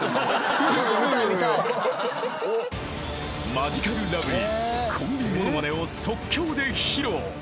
［マヂカルラブリーコンビものまねを即興で披露］